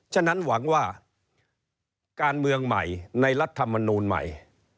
ฉะนั้นหวังว่าการเมืองใหม่ในรัฐมนูลใหม่